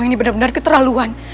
ini benar benar keterlaluan